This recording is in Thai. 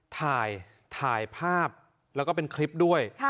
ถ่ายถ่ายภาพแล้วก็เป็นคลิปด้วย